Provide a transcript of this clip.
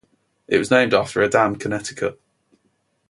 It was named after Haddam, Connecticut.